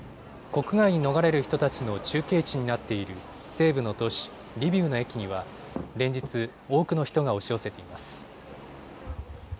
国外に逃れる人たちの中継地になっている西部の都市リビウの駅には連日、多くの人が押し寄せています。